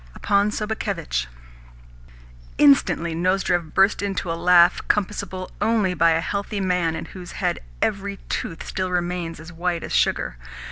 "Upon Sobakevitch." Instantly Nozdrev burst into a laugh compassable only by a healthy man in whose head every tooth still remains as white as sugar.